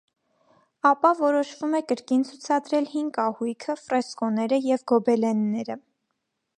Ապա որոշվում է կրկին ցուցադրել հին կահույքը, ֆրեսկոները և գոբելենները։